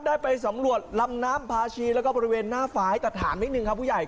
ได้ไปสำรวจลำน้ำพาชีแล้วก็บริเวณหน้าฟ้าแต่ถามนิดนึงครับผู้ใหญ่